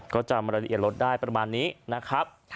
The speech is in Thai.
ก็จำรายละเอียดรถได้ประมาณนี้นะครับ